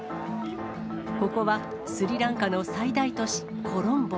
ここはスリランカの最大都市、コロンボ。